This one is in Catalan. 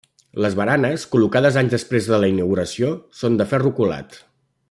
Les baranes, col·locades anys després de la inauguració, són de ferro colat.